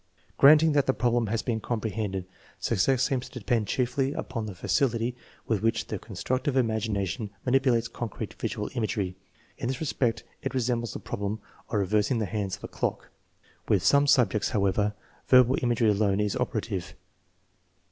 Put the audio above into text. Granting that the problem has been comprehended, suc cess ssems to depend chiefly upon the facility with which the constructive imagination manipulates concrete visual imagery. In this respect it resembles the problem of revers ing the hands of a clock. With some subjects, however, verbal imagery alone is operative.